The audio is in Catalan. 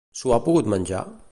S'ho ha pogut menjar?